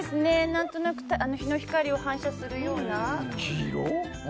何となく日の光を反射するような。